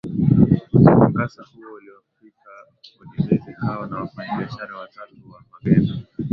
mkasa huo uliwafika wakimbizi hao na wafanyi biashara watatu wa magendo